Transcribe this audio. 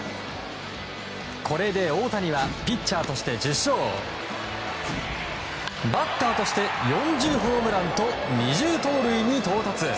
これで大谷はピッチャーとして１０勝バッターとして４０ホームランと２０盗塁に到達。